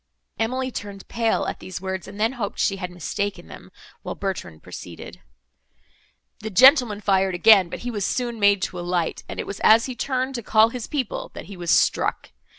Emily turned pale, at these words, and then hoped she had mistaken them; while Bertrand proceeded: "The gentleman fired again, but he was soon made to alight, and it was as he turned to call his people, that he was struck.